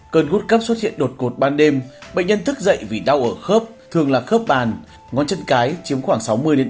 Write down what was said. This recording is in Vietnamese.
cơn gút cấp xuất hiện đột cột ban đêm bệnh nhân thức dậy vì đau ở khớp thường là khớp bàn ngón chân cái chiếm khoảng sáu mươi bảy mươi